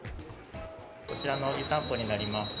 こちらの湯たんぽになります。